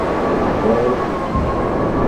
Rede Tupi".